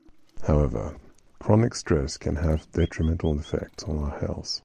However, chronic stress can have detrimental effects on our health.